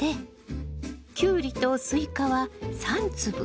キュウリとスイカは３粒。